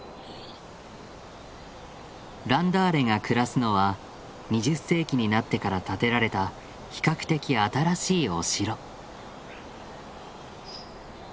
ランダーレが暮らすのは２０世紀になってから建てられた比較的新しいお城。